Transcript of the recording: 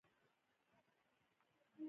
کلي د فرهنګي فستیوالونو یوه برخه ده.